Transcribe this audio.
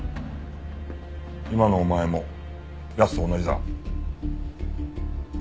今のお前も奴と同じだ。